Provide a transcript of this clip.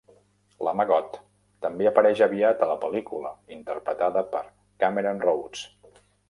La Maggot també apareix aviat a la pel·lícula, interpretada per Cameron Rhodes.